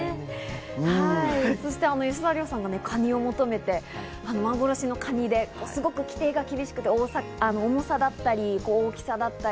吉沢亮さんがカニを求めて幻のカニで規定が厳しくて、重さだったり大きさだったり。